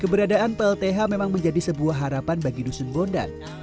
keberadaan plth memang menjadi sebuah harapan bagi dusun bondan